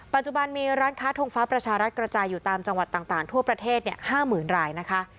ปัจจุบันมีร้านค้าทงฟ้าประชารัฐกระจายอยู่ตามจังหวัดต่างทั่วประเทศ๕๐๐๐รายนะคะ